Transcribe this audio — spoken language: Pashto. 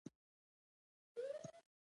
سیمونز وویل: تا په روم کي ژوند کړی؟